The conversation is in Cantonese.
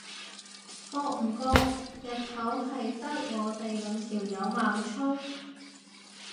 覺唔覺日頭係得我哋兩條友猛吹？